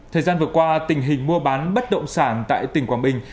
thời gian vừa qua tình hình mua bán bất động sản tại tỉnh quảng bình